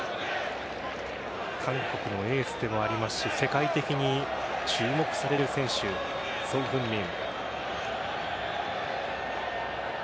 韓国のエースでもありますし世界的に注目される選手ソン・フンミン。